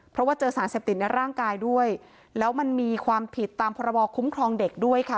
เพราะว่าเจอสารเสพติดในร่างกายด้วยแล้วมันมีความผิดตามพรบคุ้มครองเด็กด้วยค่ะ